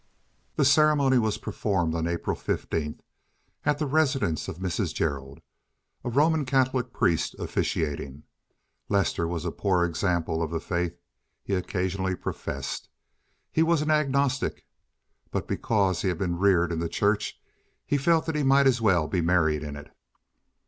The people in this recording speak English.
The ceremony was performed on April fifteenth, at the residence of Mrs. Gerald, a Roman Catholic priest officiating. Lester was a poor example of the faith he occasionally professed. He was an agnostic, but because he had been reared in the church he felt that he might as well be married in it.